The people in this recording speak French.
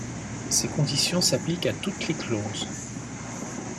Ces conditions s'appliquent à toutes les clauses.